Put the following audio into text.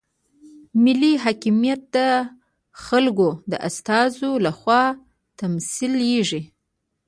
ملي حاکمیت د خلکو د استازو لخوا تمثیلیږي.